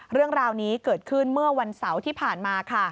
เรื่องราวนี้เกิดขึ้นเมื่อวันเสาร์ที่ผ่านมาค่ะ